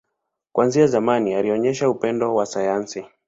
Kuanzia zamani, alionyesha upendo wa sayansi.